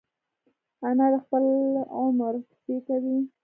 انا د خپل عمر کیسې کوي